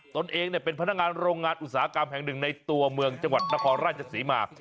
ตนเองเป็นพนักงานโรงงานอุตสาหกรรมแห่งหนึ่งในตัวเมืองจังหวัดนครราชศรีมา